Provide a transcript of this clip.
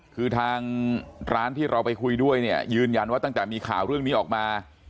คือทางร้านที่เราไปคุยด้วยเนี่ยยืนยันว่าตั้งแต่มีข่าวเรื่องนี้ออกมา